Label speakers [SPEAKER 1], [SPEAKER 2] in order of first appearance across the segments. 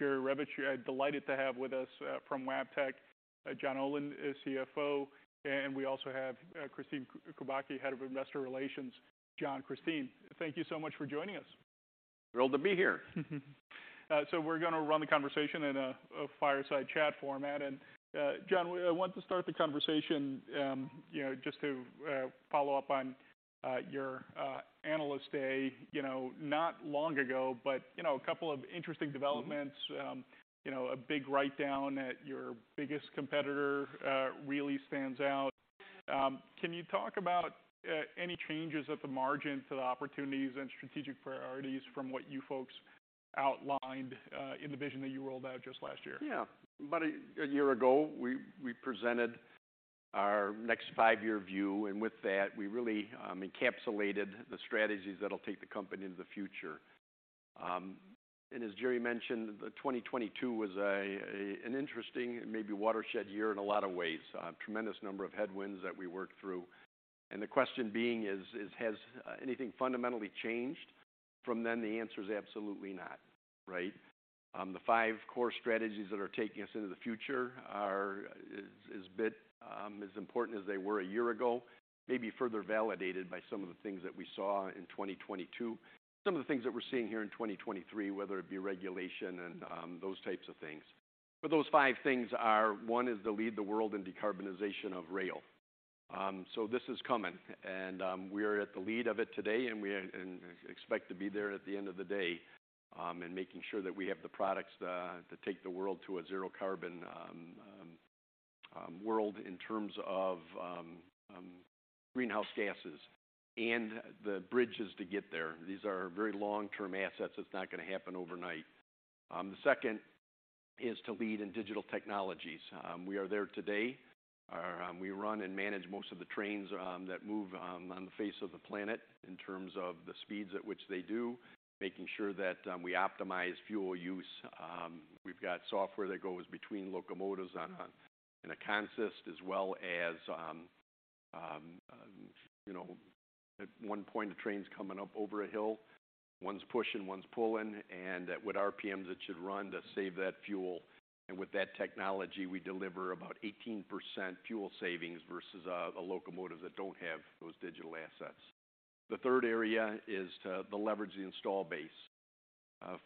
[SPEAKER 1] I'm delighted to have with us, from Wabtec, John Olin, CFO, and we also have, Kristine Kubacki, Head of Investor Relations. John, Kristine, thank you so much for joining us.
[SPEAKER 2] Thrilled to be here.
[SPEAKER 1] We're gonna run the conversation in a fireside chat format. John, I want to start the conversation, you know, just to follow up on your analyst day, you know, not long ago, but, you know, a couple of interesting developments...
[SPEAKER 2] Mm-hmm.
[SPEAKER 1] You know, a big write down at your biggest competitor really stands out. Can you talk about any changes at the margin to the opportunities and strategic priorities from what you folks outlined in the vision that you rolled out just last year?
[SPEAKER 2] Yeah. About a year ago, we presented our next five-year view, and with that, we really encapsulated the strategies that'll take the company into the future. As Jerry mentioned, 2022 was an interesting, maybe watershed year in a lot of ways. Tremendous number of headwinds that we worked through. The question being is has anything fundamentally changed from then? The answer is absolutely not, right? The five core strategies that are taking us into the future are, is bit as important as they were a year ago, maybe further validated by some of the things that we saw in 2022. Some of the things that we're seeing here in 2023, whether it be regulation and those types of things. Those five things are: One is to lead the world in decarbonization of rail. This is coming, and we are at the lead of it today, and we and expect to be there at the end of the day in making sure that we have the products to take the world to a zero carbon world in terms of greenhouse gases and the bridges to get there. These are very long-term assets. It's not gonna happen overnight. The second is to lead in digital technologies. We are there today. We run and manage most of the trains that move on the face of the planet in terms of the speeds at which they do, making sure that we optimize fuel use. We've got software that goes between locomotives on a, in a consist as well as, you know, at one point, a train's coming up over a hill, one's pushing, one's pulling, and at what RPMs it should run to save that fuel. With that technology, we deliver about 18% fuel savings versus a locomotive that don't have those digital assets. The third area is to leverage the install base.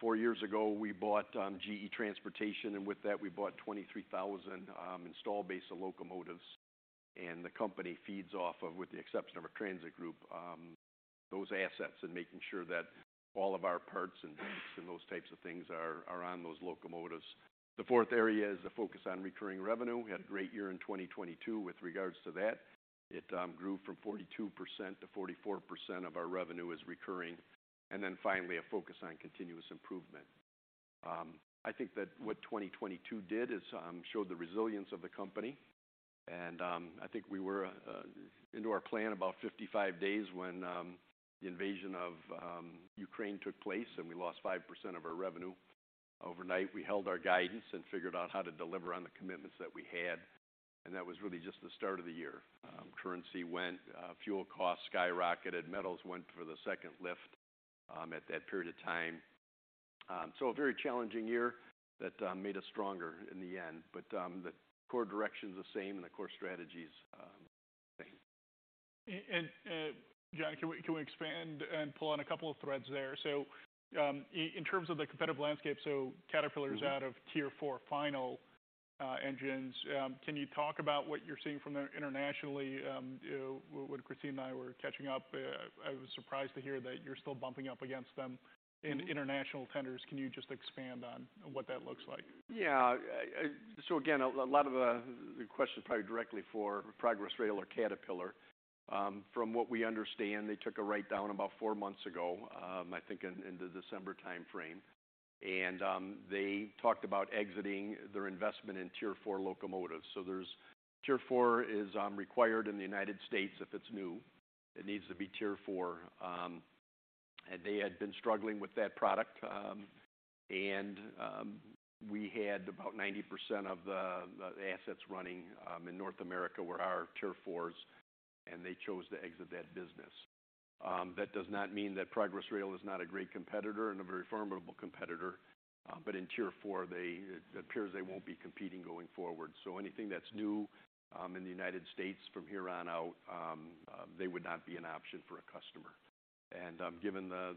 [SPEAKER 2] 4 years ago, we bought GE Transportation, and with that we bought 23,000 install base of locomotives. The company feeds off of, with the exception of our transit group, those assets and making sure that all of our parts and those types of things are on those locomotives. The fourth area is the focus on recurring revenue. We had a great year in 2022 with regards to that. It grew from 42% to 44% of our revenue is recurring. Finally, a focus on continuous improvement. I think that what 2022 did is showed the resilience of the company. I think we were into our plan about 55 days when the invasion of Ukraine took place, and we lost 5% of our revenue overnight. We held our guidance and figured out how to deliver on the commitments that we had, and that was really just the start of the year. Currency went, fuel costs skyrocketed, metals went for the second lift, at that period of time. A very challenging year that made us stronger in the end. The core direction's the same and the core strategy's the same.
[SPEAKER 1] John, can we expand and pull on a couple of threads there? In terms of the competitive landscape, so Caterpillar.
[SPEAKER 2] Mm-hmm.
[SPEAKER 1] is out of Tier 4 final engines. Can you talk about what you're seeing from there internationally? You know, when Christine and I were catching up, I was surprised to hear that you're still bumping up against them.
[SPEAKER 2] Mm-hmm.
[SPEAKER 1] In international tenders. Can you just expand on what that looks like?
[SPEAKER 2] Yeah. Again, a lot of the question is probably directly for Progress Rail or Caterpillar. From what we understand, they took a write down about 4 months ago, I think in the December timeframe. They talked about exiting their investment in Tier 4 locomotives. Tier 4 is required in the United States if it's new. It needs to be Tier 4. They had been struggling with that product. We had about 90% of the assets running in North America were our Tier 4s, and they chose to exit that business. That does not mean that Progress Rail is not a great competitor and a very formidable competitor, but in Tier 4, it appears they won't be competing going forward. Anything that's new in the United States from here on out, they would not be an option for a customer. Given the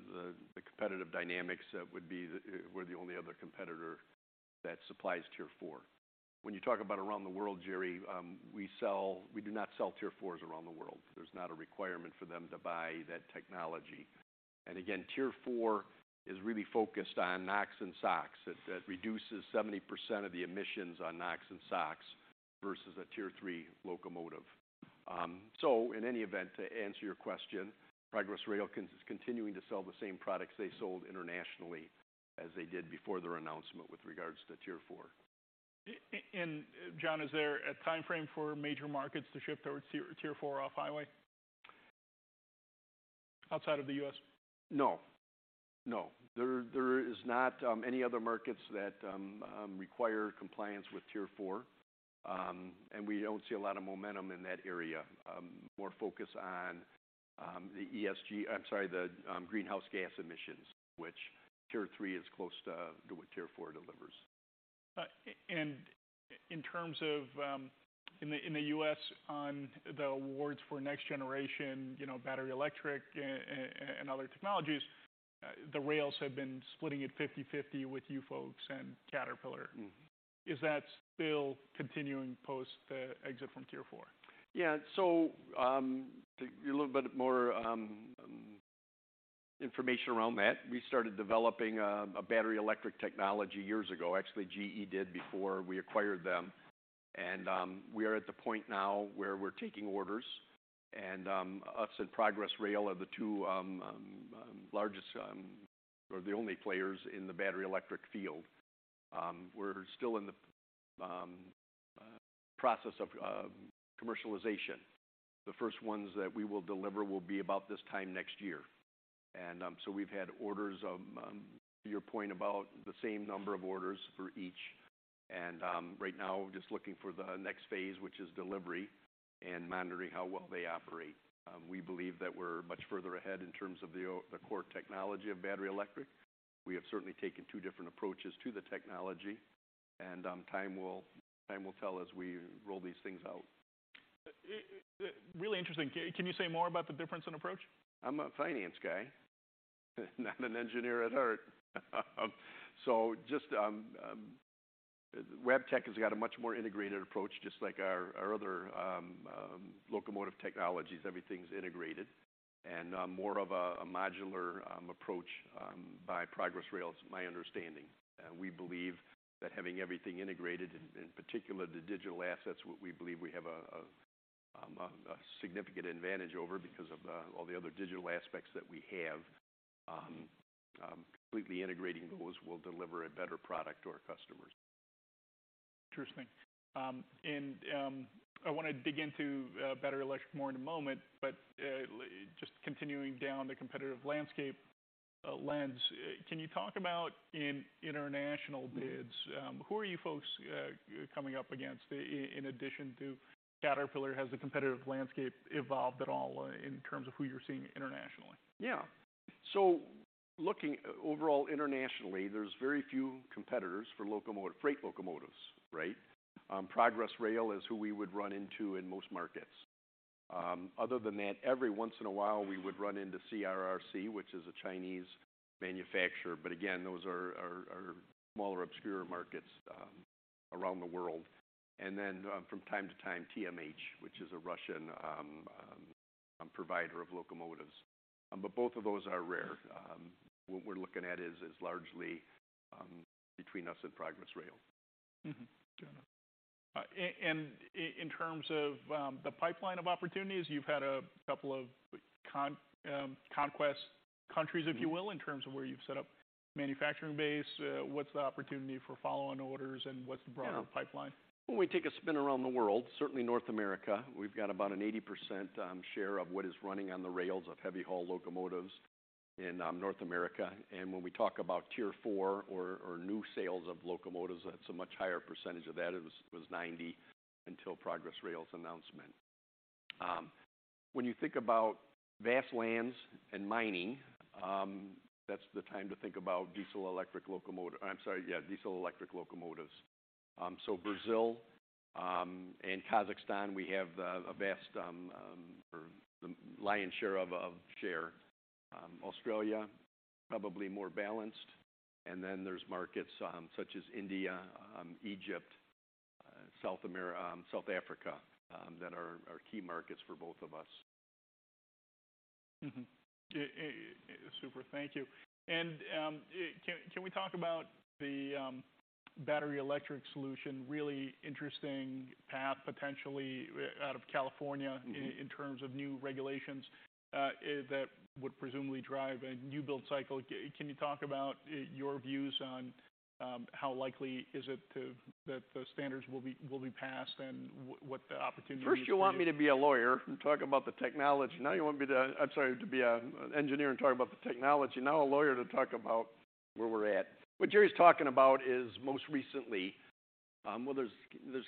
[SPEAKER 2] competitive dynamics, we're the only other competitor that supplies Tier 4. When you talk about around the world, Jerry, we do not sell Tier 4s around the world. There's not a requirement for them to buy that technology. Again, Tier 4 is really focused on NOx and SOx. It reduces 70% of the emissions on NOx and SOx versus a Tier 3 locomotive. In any event, to answer your question, Progress Rail is continuing to sell the same products they sold internationally as they did before their announcement with regards to Tier 4.
[SPEAKER 1] John, is there a timeframe for major markets to shift towards Tier 4 off-highway outside of the U.S.?
[SPEAKER 2] No. No. There is not any other markets that require compliance with Tier 4. We don't see a lot of momentum in that area. More focus on the greenhouse gas emissions, which Tier 3 is close to do what Tier 4 delivers.
[SPEAKER 1] In terms of, in the U.S. on the awards for next generation, you know, battery-electric, and other technologies, the rails have been splitting it 50/50 with you folks and Caterpillar.
[SPEAKER 2] Mm-hmm.
[SPEAKER 1] Is that still continuing post the exit from Tier 4?
[SPEAKER 2] Yeah. To give you a little bit more information around that, we started developing a battery-electric technology years ago. Actually, GE did before we acquired them. We are at the point now where we're taking orders, and us and Progress Rail are the two largest or the only players in the battery-electric field. We're still in the process of commercialization. The first ones that we will deliver will be about this time next year. We've had orders of, to your point, about the same number of orders for each. Right now we're just looking for the next phase, which is delivery, and monitoring how well they operate. We believe that we're much further ahead in terms of the core technology of battery-electric. We have certainly taken two different approaches to the technology. Time will tell as we roll these things out.
[SPEAKER 1] Really interesting. Can you say more about the difference in approach?
[SPEAKER 2] I'm a finance guy, not an engineer at heart. Wabtec has got a much more integrated approach, just like our other locomotive technologies. Everything's integrated. More of a modular approach by Progress Rail, is my understanding. We believe that having everything integrated, in particular the digital assets, what we believe we have a significant advantage over because of all the other digital aspects that we have. Completely integrating those will deliver a better product to our customers.
[SPEAKER 1] Interesting. I wanna dig into battery-electric more in a moment, but just continuing down the competitive landscape lens, can you talk about in international bids, who are you folks coming up against in addition to Caterpillar? Has the competitive landscape evolved at all in terms of who you're seeing internationally?
[SPEAKER 2] Looking overall internationally, there's very few competitors for freight locomotives, right? Progress Rail is who we would run into in most markets. Other than that, every once in a while we would run into CRRC, which is a Chinese manufacturer, but again, those are smaller, obscure markets around the world. Then from time to time, TMH, which is a Russian provider of locomotives. Both of those are rare. What we're looking at is largely between us and Progress Rail.
[SPEAKER 1] Fair enough. In terms of the pipeline of opportunities, you've had a couple of conquest countries, if you will, in terms of where you've set up manufacturing base. What's the opportunity for follow-on orders, and what's the broader pipeline?
[SPEAKER 2] Yeah. When we take a spin around the world, certainly North America, we've got about an 80% share of what is running on the rails of heavy haul locomotives in North America. When we talk about Tier 4 or new sales of locomotives, it's a much higher percentage of that. It was 90% until Progress Rail's announcement. When you think about vast lands and mining, that's the time to think about diesel-electric locomotives. Brazil, and Kazakhstan, we have the, a vast, or the lion's share of share. Australia, probably more balanced. Then there's markets such as India, Egypt, South Africa, that are key markets for both of us.
[SPEAKER 1] Mm-hmm. Super. Thank you. Can we talk about the battery-electric solution, really interesting path potentially out of California?
[SPEAKER 2] Mm-hmm
[SPEAKER 1] ...in terms of new regulations, that would presumably drive a new build cycle. Can you talk about your views on how likely is it that the standards will be passed, and what the opportunity is for you?
[SPEAKER 2] First you want me to be a lawyer and talk about the technology. Now you want me to, I'm sorry, to be an engineer and talk about the technology. Now a lawyer to talk about where we're at. What Jerry's talking about is most recently, well, there's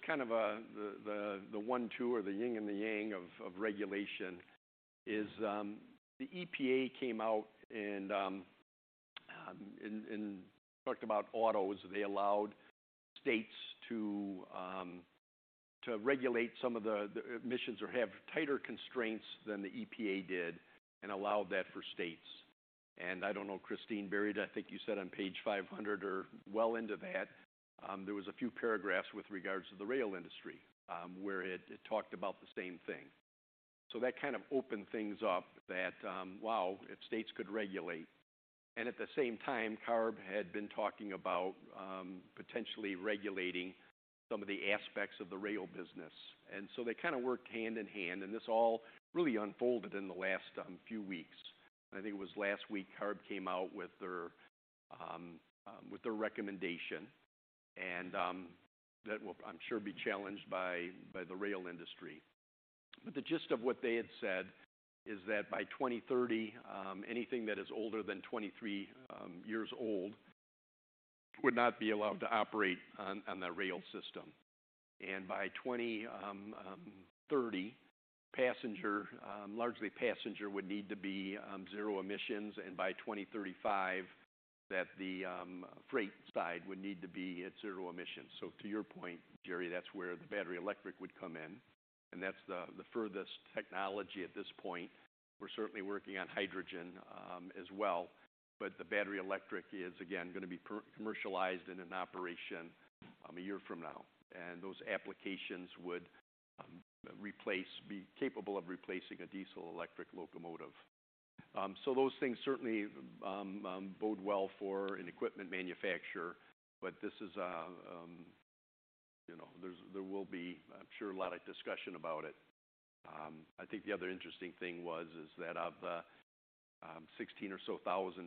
[SPEAKER 2] kind of a one-two or the yin and the yang of regulation is, the EPA came out and talked about autos. They allowed states to regulate some of the emissions or have tighter constraints than the EPA did and allowed that for states. I don't know, Kristine buried, I think you said on page 500 or well into that, there was a few paragraphs with regards to the rail industry, where it talked about the same thing. That kind of opened things up that, wow, if states could regulate. At the same time, CARB had been talking about potentially regulating some of the aspects of the rail business. They kinda worked hand in hand, and this all really unfolded in the last few weeks. I think it was last week CARB came out with their with their recommendation and that will, I'm sure, be challenged by the rail industry. The gist of what they had said is that by 2030, anything that is older than 23 years old would not be allowed to operate on the rail system. By 2030, largely passenger would need to be zero emissions and by 2035 that the freight side would need to be at zero emissions. To your point, Jerry Revich, that's where the battery-electric would come in, and that's the furthest technology at this point. We're certainly working on hydrogen as well, but the battery-electric is again, gonna be commercialized in an operation a year from now. Those applications would be capable of replacing a diesel-electric locomotive. Those things certainly bode well for an equipment manufacturer, but this is, you know, there will be, I'm sure a lot of discussion about it. I think the other interesting thing was, is that of the 16,000 or so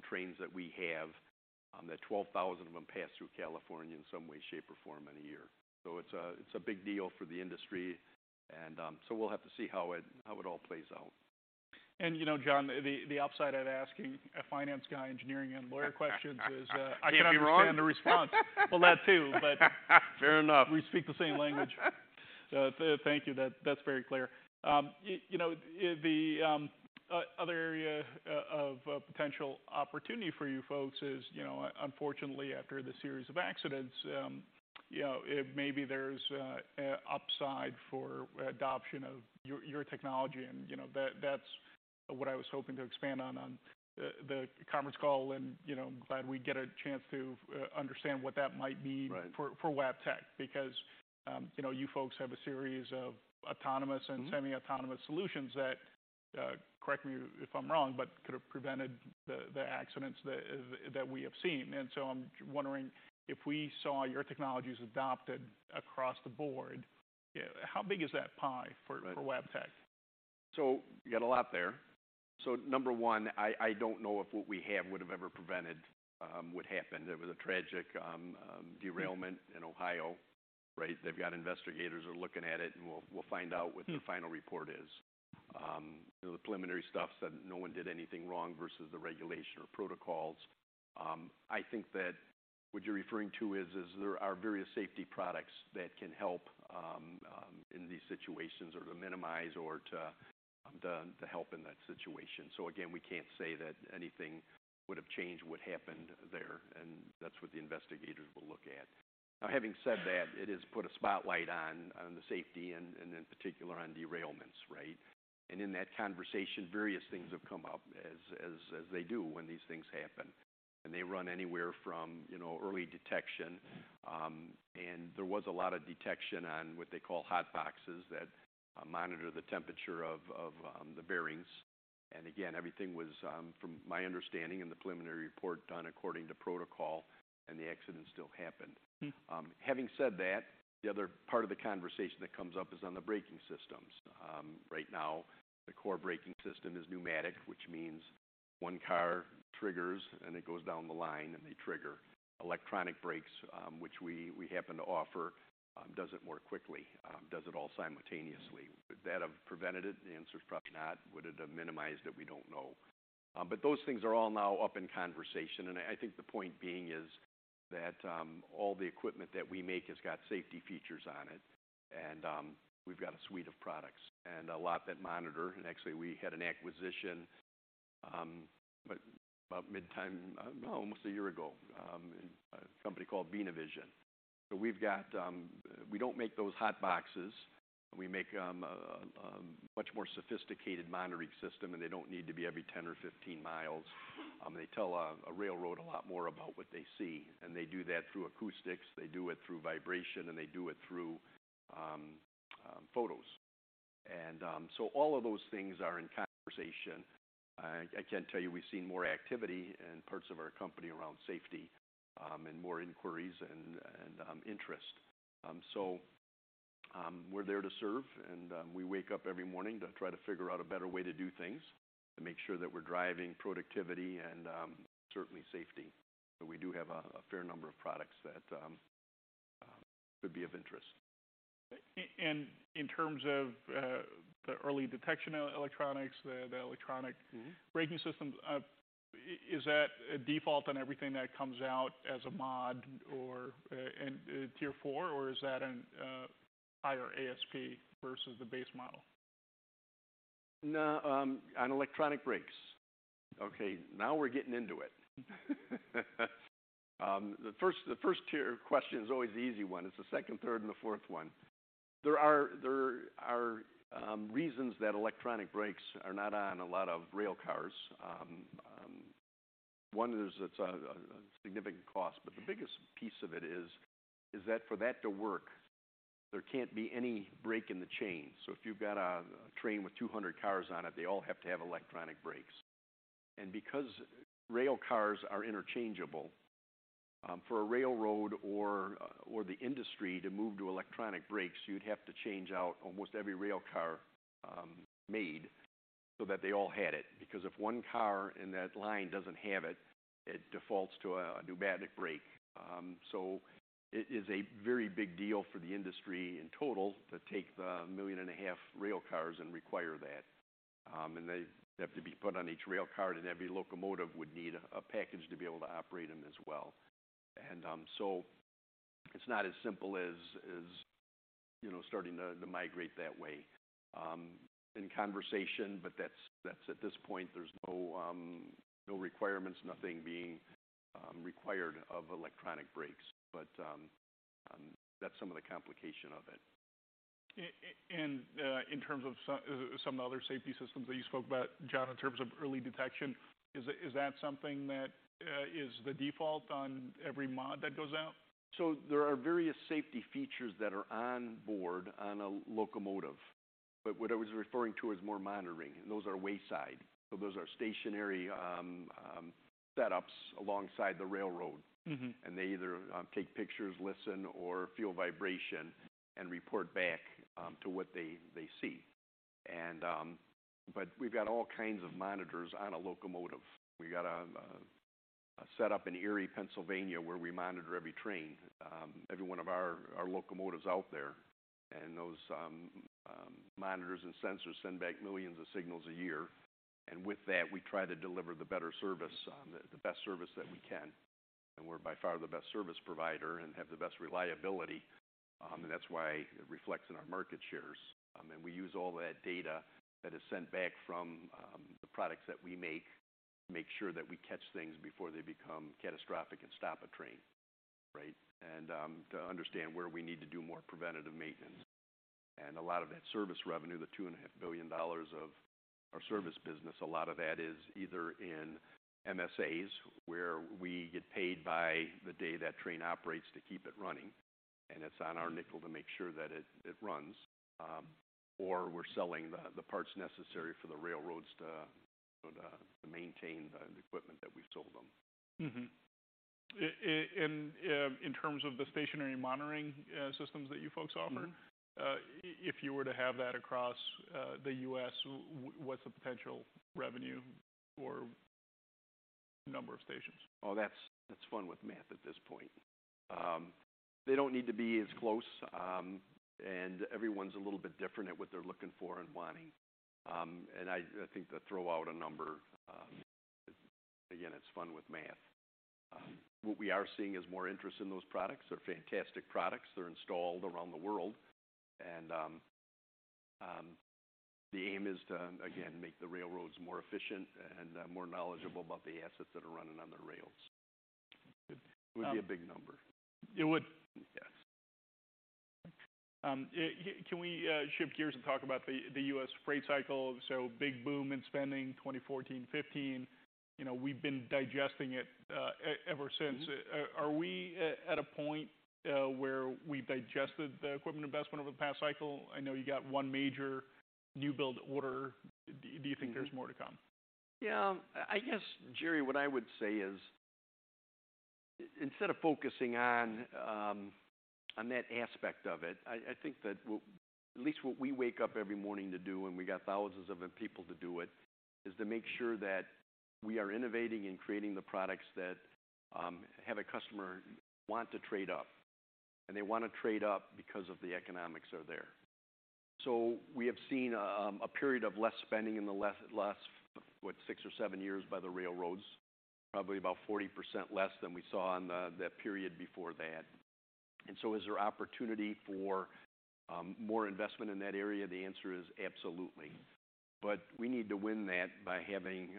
[SPEAKER 2] trains that we have, that 12,000 of them pass through California in some way, shape, or form in a year. It's a, it's a big deal for the industry and, so we'll have to see how it, how it all plays out.
[SPEAKER 1] you know, John, the upside of asking a finance guy engineering and lawyer questions is.
[SPEAKER 2] Can't be wrong....
[SPEAKER 1] I can understand the response. Well, that too, but-
[SPEAKER 2] Fair enough....
[SPEAKER 1] we speak the same language. Thank you. That, that's very clear. You know, the other area of potential opportunity for you folks is, you know, unfortunately after the series of accidents, you know, maybe there's an upside for adoption of your technology and, you know, that's what I was hoping to expand on the conference call and, you know, glad we get a chance to understand what that might mean-
[SPEAKER 2] Right...
[SPEAKER 1] for Wabtec because, you know, you folks have a series of.
[SPEAKER 2] Mm-hmm...
[SPEAKER 1] and semi-autonomous solutions that, correct me if I'm wrong, but could have prevented the accidents that we have seen. I'm wondering if we saw your technologies adopted across the board, how big is that pie for-.
[SPEAKER 2] Right...
[SPEAKER 1] for Wabtec?
[SPEAKER 2] You got a lot there. Number one, I don't know if what we have would've ever prevented what happened. It was a tragic derailment in Ohio, right? They've got investigators are looking at it, and we'll find out what the final report is. You know, the preliminary stuff said no one did anything wrong versus the regulation or protocols. I think that what you're referring to is there are various safety products that can help in these situations or to minimize or to help in that situation. Again, we can't say that anything would've changed what happened there, and that's what the investigators will look at. Having said that, it has put a spotlight on the safety and in particular on derailments, right? In that conversation, various things have come up as they do when these things happen. They run anywhere from, you know, early detection, and there was a lot of detection on what they call hot boxes that monitor the temperature of the bearings. Again, everything was from my understanding in the preliminary report done according to protocol and the accident still happened.
[SPEAKER 1] Mm.
[SPEAKER 2] Having said that, the other part of the conversation that comes up is on the braking systems. Right now the core braking system is pneumatic, which means one car triggers and it goes down the line and they trigger electronic brakes, which we happen to offer, does it more quickly, does it all simultaneously. Would that have prevented it? The answer's probably not. Would it have minimized it? We don't know. But those things are all now up in conversation and I think the point being is that all the equipment that we make has got safety features on it and we've got a suite of products and a lot that monitor. Actually, we had an acquisition, but about mid-time, almost a year ago, a company called Beena Vision. We've got... We don't make those hot boxes. We make a much more sophisticated monitoring system, and they don't need to be every 10 or 15 miles. They tell a railroad a lot more about what they see, and they do that through acoustics, they do it through vibration, and they do it through photos. All of those things are in conversation. I can tell you we've seen more activity in parts of our company around safety, and more inquiries and interest. We're there to serve and we wake up every morning to try to figure out a better way to do things to make sure that we're driving productivity and certainly safety. We do have a fair number of products that could be of interest.
[SPEAKER 1] In terms of the early detection electronics, the.
[SPEAKER 2] Mm-hmm...
[SPEAKER 1] braking systems, is that a default on everything that comes out as a mod or, in, Tier 4 or is that an higher ASP versus the base model?
[SPEAKER 2] No, on electronic brakes. Okay, now we're getting into it. The first tier question is always the easy one. It's the second, third, and the fourth one. There are reasons that electronic brakes are not on a lot of rail cars. One is it's a significant cost, but the biggest piece of it is that for that to work, there can't be any break in the chain. If you've got a train with 200 cars on it, they all have to have electronic brakes. Because rail cars are interchangeable, for a railroad or the industry to move to electronic brakes, you'd have to change out almost every rail car made so that they all had it. Because if one car in that line doesn't have it defaults to a pneumatic brake. It is a very big deal for the industry in total to take the 1.5 million rail cars and require that. They have to be put on each rail card, and every locomotive would need a package to be able to operate them as well. It's not as simple as, you know, starting to migrate that way in conversation. That's at this point, there's no requirements, nothing being required of electronic brakes. That's some of the complication of it.
[SPEAKER 1] In terms of some of the other safety systems that you spoke about, John, in terms of early detection, is that something that is the default on every mod that goes out?
[SPEAKER 2] There are various safety features that are on board on a locomotive, but what I was referring to is more monitoring, and those are wayside. Those are stationary, setups alongside the railroad.
[SPEAKER 1] Mm-hmm.
[SPEAKER 2] They either take pictures, listen, or feel vibration and report back to what they see. We've got all kinds of monitors on a locomotive. We got a set up in Erie, Pennsylvania, where we monitor every train, every one of our locomotives out there. Those monitors and sensors send back millions of signals a year. With that, we try to deliver the better service, the best service that we can. We're by far the best service provider and have the best reliability, and that's why it reflects in our market shares. We use all that data that is sent back from the products that we make, to make sure that we catch things before they become catastrophic and stop a train, right? To understand where we need to do more preventative maintenance. A lot of that service revenue, the $2.5 billion of our service business, a lot of that is either in MSAs, where we get paid by the day that train operates to keep it running, and it's on our nickel to make sure that it runs, or we're selling the parts necessary for the railroads to, you know, to maintain the equipment that we've sold them.
[SPEAKER 1] In terms of the stationary monitoring, systems that you folks offer.
[SPEAKER 2] Mm-hmm
[SPEAKER 1] If you were to have that across, the U.S., what's the potential revenue or number of stations?
[SPEAKER 2] Oh, that's fun with math at this point. They don't need to be as close. Everyone's a little bit different at what they're looking for and wanting. I think to throw out a number, again, it's fun with math. What we are seeing is more interest in those products. They're fantastic products. They're installed around the world. The aim is to, again, make the railroads more efficient and more knowledgeable about the assets that are running on their rails.
[SPEAKER 1] Good.
[SPEAKER 2] It would be a big number.
[SPEAKER 1] It would?
[SPEAKER 2] Yes.
[SPEAKER 1] Can we shift gears and talk about the US freight cycle? Big boom in spending, 2014, 2015. You know, we've been digesting it ever since.
[SPEAKER 2] Mm-hmm.
[SPEAKER 1] Are we at a point where we've digested the equipment investment over the past cycle? I know you got one major new build order. Do you think there's more to come?
[SPEAKER 2] I guess, Jerry Revich, what I would say is instead of focusing on that aspect of it, I think that at least what we wake up every morning to do, and we got thousands of people to do it, is to make sure that we are innovating and creating the products that have a customer want to trade up. They wanna trade up because of the economics are there. We have seen a period of less spending in the last, what, 6 or 7 years by the railroads, probably about 40% less than we saw on the, that period before that. Is there opportunity for more investment in that area? The answer is absolutely. We need to win that by having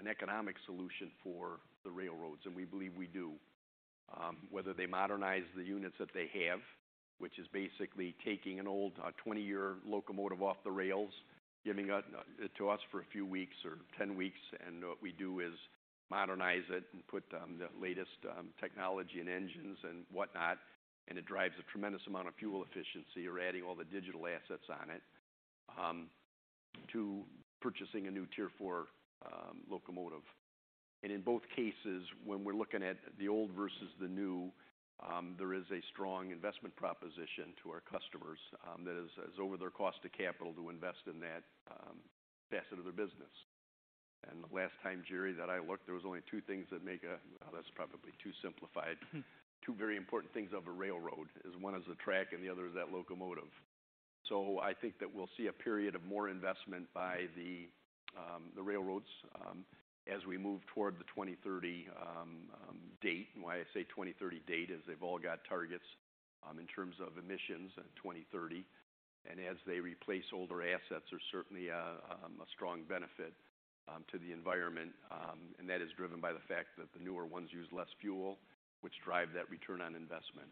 [SPEAKER 2] an economic solution for the railroads, and we believe we do. Whether they modernize the units that they have, which is basically taking an old, 20-year locomotive off the rails, giving it to us for a few weeks or 10 weeks. What we do is modernize it and put the latest technology and engines and whatnot. It drives a tremendous amount of fuel efficiency. You're adding all the digital assets on it, to purchasing a new Tier 4 locomotive. In both cases, when we're looking at the old versus the new, there is a strong investment proposition to our customers that is over their cost of capital to invest in that facet of their business. The last time, Jerry Revich, that I looked, there was only 2 things that make a. Well, that's probably too simplified. Two very important things of a railroad is one is the track and the other is that locomotive. I think that we'll see a period of more investment by the railroads, as we move toward the 2030 date. Why I say 2030 date is they've all got targets in terms of emissions in 2030. As they replace older assets, there's certainly a strong benefit to the environment. And that is driven by the fact that the newer ones use less fuel, which drive that return on investment.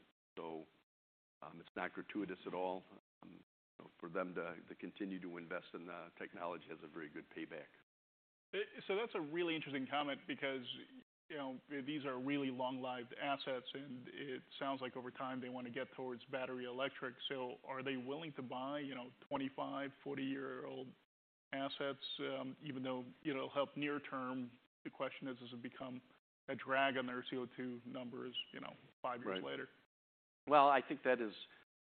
[SPEAKER 2] It's not gratuitous at all, you know, for them to continue to invest in the technology has a very good payback.
[SPEAKER 1] That's a really interesting comment because, you know, these are really long-lived assets, and it sounds like over time they wanna get towards battery-electric. Are they willing to buy, you know, 25, 40-year-old assets, even though it'll help near term? The question is, does it become a drag on their CO2 numbers, you know, 5 years later?
[SPEAKER 2] Well, I think that is,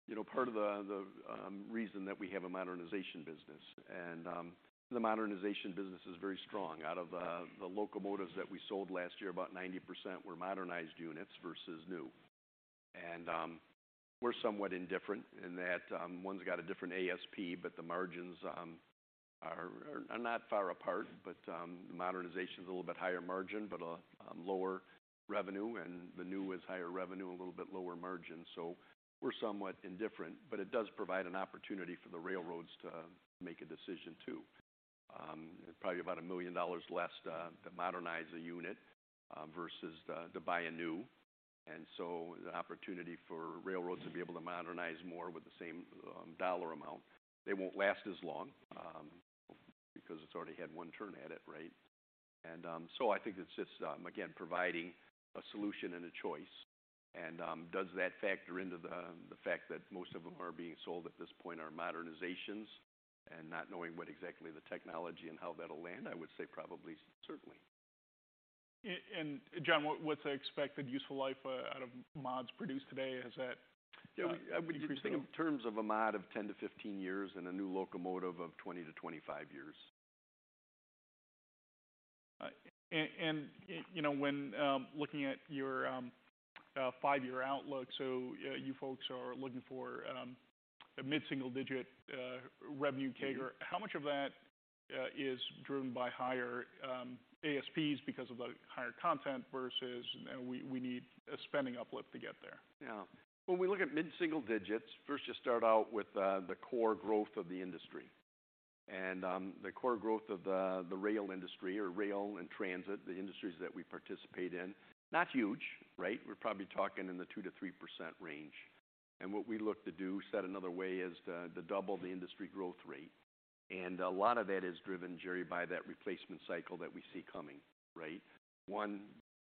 [SPEAKER 2] you know, part of the reason that we have a modernization business. The modernization business is very strong. Out of the locomotives that we sold last year, about 90% were modernized units versus new. We're somewhat indifferent in that one's got a different ASP, but the margins are not far apart. The modernization's a little bit higher margin but a lower revenue, and the new is higher revenue, a little bit lower margin. We're somewhat indifferent. It does provide an opportunity for the railroads to make a decision too. Probably about $1 million less to modernize a unit versus to buy a new. The opportunity for railroads to be able to modernize more with the same dollar amount. They won't last as long, because it's already had one turn at it, right? I think it's just, again, providing a solution and a choice. Does that factor into the fact that most of them are being sold at this point are modernizations and not knowing what exactly the technology and how that'll land, I would say probably certainly.
[SPEAKER 1] John, what's the expected useful life out of mods produced today? Has that increased at all?
[SPEAKER 2] Yeah, I would just think in terms of a mod of 10-15 years and a new locomotive of 20-25 years.
[SPEAKER 1] You know, when looking at your 5-year outlook, you folks are looking for a mid-single-digit revenue CAGR.
[SPEAKER 2] Mm-hmm.
[SPEAKER 1] How much of that is driven by higher ASPs because of the higher content versus, we need a spending uplift to get there?
[SPEAKER 2] Yeah. When we look at mid-single digits, first you start out with the core growth of the industry. The core growth of the rail industry or rail and transit, the industries that we participate in, not huge, right? We're probably talking in the 2% to 3% range. What we look to do, said another way, is to double the industry growth rate. A lot of that is driven, Jerry, by that replacement cycle that we see coming, right? One,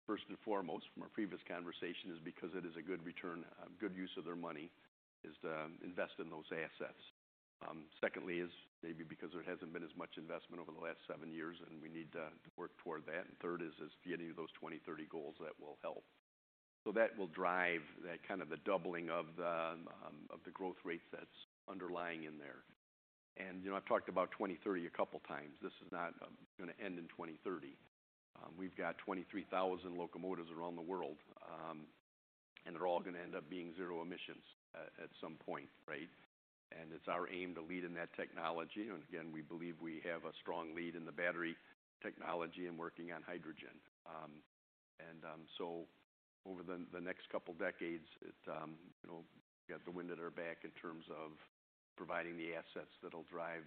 [SPEAKER 2] first and foremost, from our previous conversation, is because it is a good return, good use of their money, is to invest in those assets. Secondly is maybe because there hasn't been as much investment over the last 7 years, we need to work toward that. Third is getting to those 2030 goals that will help. That will drive that kind of the doubling of the growth rate that's underlying in there. You know, I've talked about 2030 a couple times. This is not gonna end in 2030. We've got 23,000 locomotives around the world, and they're all gonna end up being zero emissions at some point, right? It's our aim to lead in that technology. Again, we believe we have a strong lead in the battery technology and working on hydrogen. Over the next couple decades, it, you know, got the wind at our back in terms of providing the assets that'll drive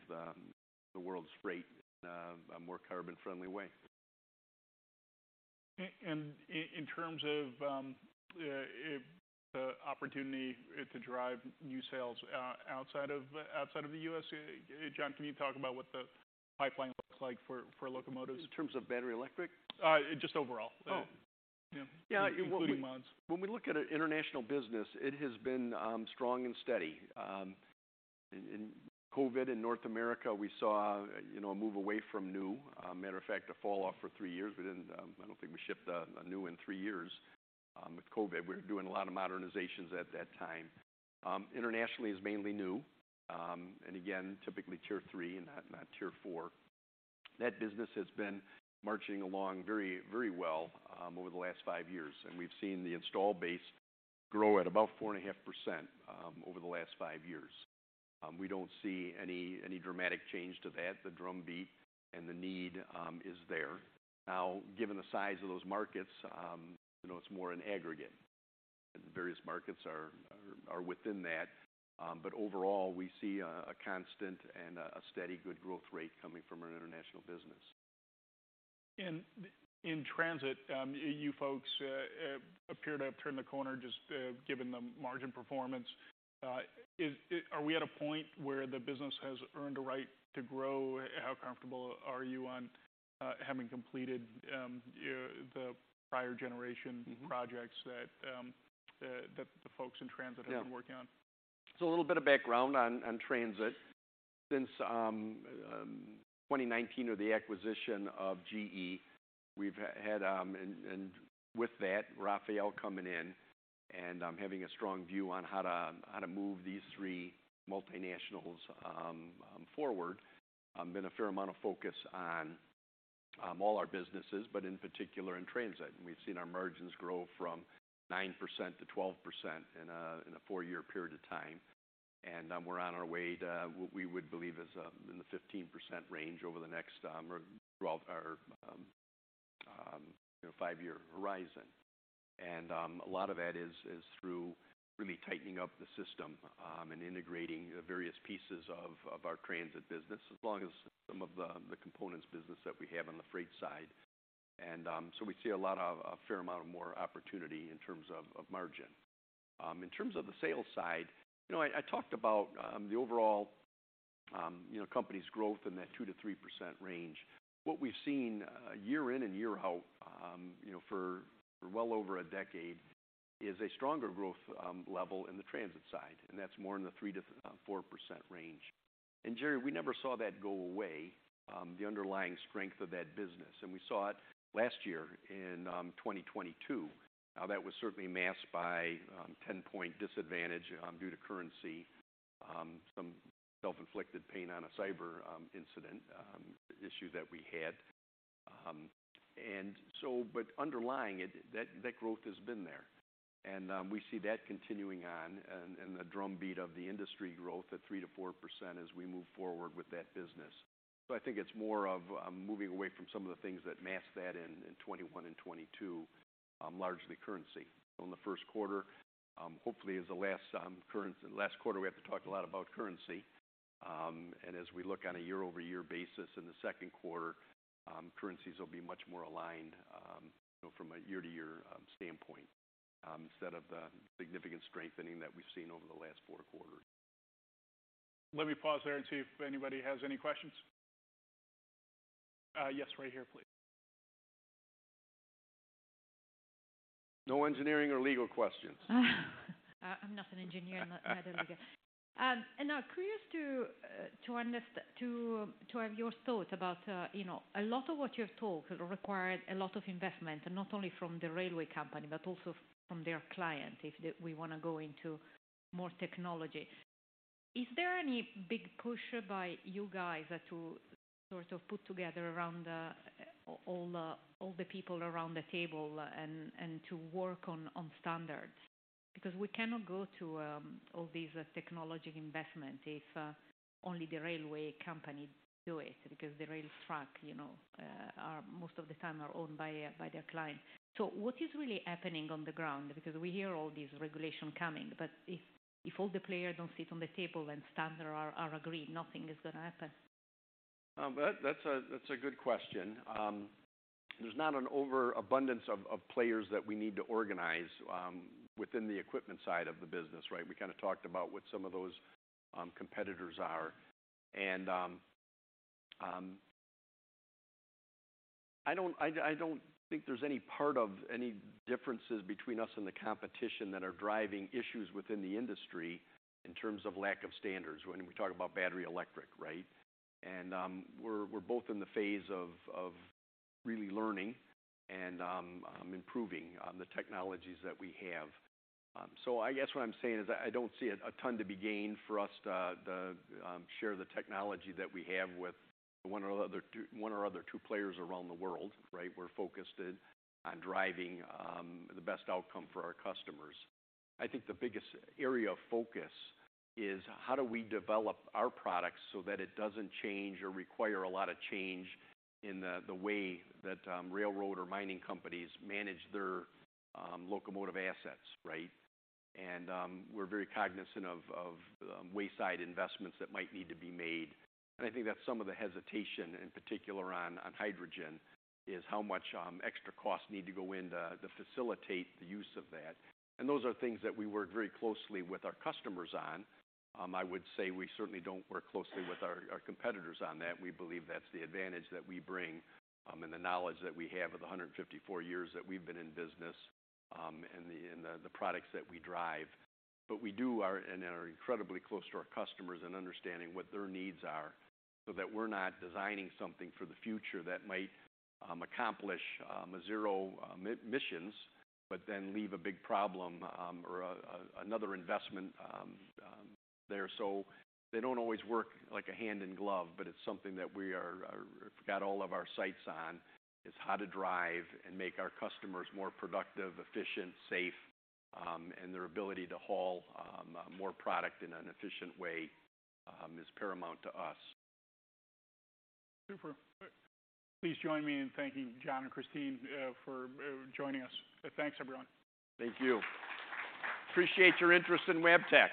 [SPEAKER 2] the world's freight in a more carbon friendly way.
[SPEAKER 1] In terms of the opportunity to drive new sales, outside of the U.S., John, can you talk about what the pipeline looks like for locomotives?
[SPEAKER 2] In terms of battery-electric?
[SPEAKER 1] Just overall.
[SPEAKER 2] Oh.
[SPEAKER 1] Yeah.
[SPEAKER 2] Yeah.
[SPEAKER 1] Including mods.
[SPEAKER 2] When we look at an international business, it has been strong and steady. In, in COVID in North America, we saw, you know, a move away from new, matter of fact, a fall off for 3 years. We didn't, I don't think we shipped a new in 3 years with COVID. We were doing a lot of modernizations at that time. Internationally is mainly new, and again, typically Tier 3 and not Tier 4. That business has been marching along very, very well over the last 5 years, and we've seen the install base grow at about 4.5% over the last 5 years. We don't see any dramatic change to that, the drum beat and the need is there. Given the size of those markets, you know, it's more an aggregate, and various markets are within that. Overall, we see a constant and a steady good growth rate coming from our international business.
[SPEAKER 1] In transit, you folks, appear to have turned the corner just, given the margin performance. Are we at a point where the business has earned a right to grow? How comfortable are you on, having completed, the prior generation?
[SPEAKER 2] Mm-hmm...
[SPEAKER 1] projects that, the folks in transit-
[SPEAKER 2] Yeah...
[SPEAKER 1] have been working on?
[SPEAKER 2] A little bit of background on transit. Since 2019 or the acquisition of GE, we've had, and with that, Rafael coming in, and having a strong view on how to move these three multinationals forward, been a fair amount of focus on all our businesses, but in particular in transit. We've seen our margins grow from 9% to 12% in a 4-year period of time. We're on our way to what we would believe is in the 15% range over the next or throughout our, you know, 5-year horizon. A lot of that is through really tightening up the system, and integrating various pieces of our transit business, as long as some of the components business that we have on the freight side. So we see a lot of, a fair amount of more opportunity in terms of margin. In terms of the sales side, you know, I talked about, the overall, you know, company's growth in that 2%-3% range. What we've seen, year in and year out, you know, for well over a decade, is a stronger growth, levelThe transit side, and that's more in the 3%-4% range. Jerry, we never saw that go away, the underlying strength of that business. We saw it last year in, 2022. That was certainly masked by, 10-point disadvantage, due to currency, some self-inflicted pain on a cyber, incident, issue that we had. Underlying it, that growth has been there. We see that continuing on and the drumbeat of the industry growth at 3%-4% as we move forward with that business. I think it's more of moving away from some of the things that masked that in 2021 and 2022, largely currency. In the first quarter, hopefully is the last quarter we had to talk a lot about currency. As we look on a year-over-year basis in the second quarter, currencies will be much more aligned, you know, from a year-to-year standpoint, instead of the significant strengthening that we've seen over the last four quarters.
[SPEAKER 1] Let me pause there and see if anybody has any questions. Yes, right here, please.
[SPEAKER 2] No engineering or legal questions.
[SPEAKER 3] I'm not an engineer, not a lawyer. Now curious to have your thought about, you know, a lot of what you have talked required a lot of investment, and not only from the railway company but also from their client, if we wanna go into more technology. Is there any big push by you guys to sort of put together around all the people around the table and to work on standards? We cannot go to all these technology investment if only the railway company do it because the rail track, you know, are most of the time are owned by their client. What is really happening on the ground? We hear all these regulations coming, but if all the players don't sit on the table and standards are agreed, nothing is going to happen.
[SPEAKER 2] That's a good question. There's not an overabundance of players that we need to organize within the equipment side of the business, right? We kinda talked about what some of those competitors are. I don't think there's any part of any differences between us and the competition that are driving issues within the industry in terms of lack of standards when we talk about battery-electric, right? We're both in the phase of really learning and improving on the technologies that we have. I guess what I'm saying is that I don't see a ton to be gained for us to share the technology that we have with one or other two players around the world, right? We're focused in on driving the best outcome for our customers. I think the biggest area of focus is how do we develop our products so that it doesn't change or require a lot of change in the way that railroad or mining companies manage their locomotive assets, right? We're very cognizant of wayside investments that might need to be made. I think that's some of the hesitation, in particular on hydrogen, is how much extra costs need to go in to facilitate the use of that. Those are things that we work very closely with our customers on. I would say we certainly don't work closely with our competitors on that. We believe that's the advantage that we bring, and the knowledge that we have of the 154 years that we've been in business, and the products that we drive. We do are incredibly close to our customers in understanding what their needs are so that we're not designing something for the future that might accomplish a zero emissions but then leave a big problem, or a another investment there. They don't always work like a hand in glove, but it's something that we are got all of our sights on, is how to drive and make our customers more productive, efficient, safe, and their ability to haul more product in an efficient way, is paramount to us.
[SPEAKER 1] Super. Please join me in thanking John and Kristine, for joining us. Thanks, everyone.
[SPEAKER 2] Thank you. Appreciate your interest in Wabtec.